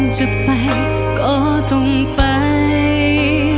จะไปก็ต้องไป